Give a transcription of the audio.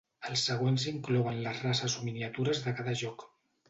Els següents inclouen les races o miniatures de cada joc.